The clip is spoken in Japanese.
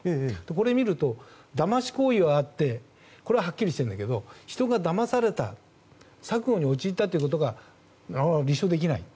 これを見るとだまし行為があってはっきりしてるんだけど人が騙された策に陥ったということが立証できない。